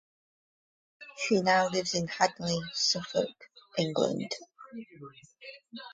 She now lives in Hadleigh, Suffolk, England.